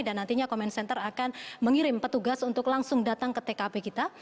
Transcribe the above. nantinya comment center akan mengirim petugas untuk langsung datang ke tkp kita